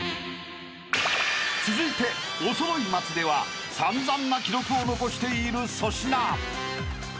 ［続いておそろい松では散々な記録を残している粗品］